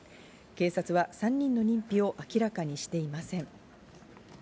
警察は３人の認否を明らかにしていません。